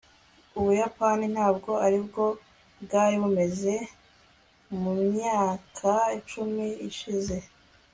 ubuyapani ntabwo aribwo bwari bumeze mu myaka icumi ishize